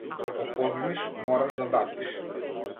Ако позајмиш мораш да вратиш.